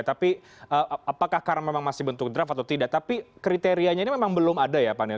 tapi apakah karena memang masih bentuk draft atau tidak tapi kriterianya ini memang belum ada ya pak nel